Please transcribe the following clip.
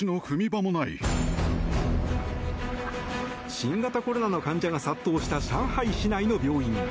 新型コロナの患者が殺到した上海市内の病院。